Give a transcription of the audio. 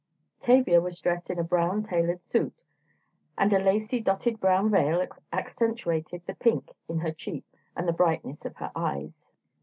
Tavia was dressed in a brown tailored suit, and a lacy dotted brown veil accentuated the pink in her cheeks and the brightness of her eyes.